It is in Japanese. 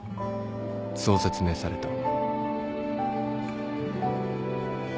そう説明された